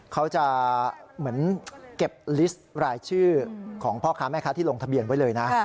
เขาจะเหมือนเก็บลิสต์รายชื่อของพ่อค้าแม่ค้าที่ลงทะเบียนไว้เลยนะ